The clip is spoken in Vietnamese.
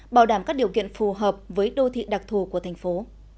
bảo đảm các điều kiện phù hợp với đô thị đặc thù của thành phố